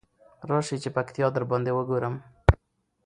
راشی چی پکتيا درباندې وګورم.